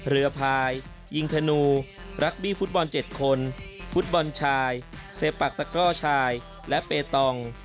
เรือพายยิงธนูรักบี้ฟุตบอล๗คนฟุตบอลชายเซปักตะกร่อชายและเปตอง